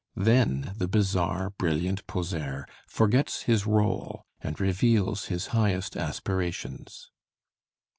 Then the bizarre, brilliant poseur forgets his rôle, and reveals his highest aspirations.